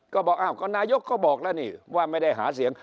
ก็บอกอ้าวก็นายกก็บอกแล้วนี่ว่าไม่ได้หาเสียง